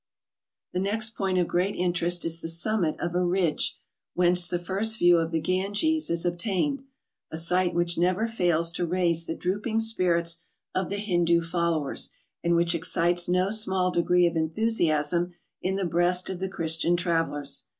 The next point of great interest is the summit of a ridge, whence the first view of the Granges is obtained, a sight which never fails to raise the droop¬ ing spirits of tlie Hindoo followers, and which excites no small degree of enthusiasm in the breast of the Christian travellers.